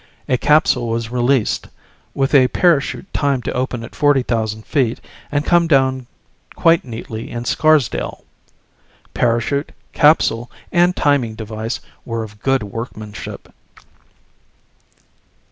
A capsule was released, with a parachute timed to open at 40,000 feet and come down quite neatly in Scarsdale. Parachute, capsule and timing device were of good workmanship.